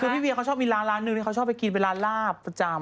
คือพี่เวียเขาชอบมีร้านร้านหนึ่งที่เขาชอบไปกินเป็นร้านลาบประจำ